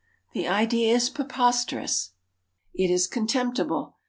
The idea is preposterous. It is contemptible.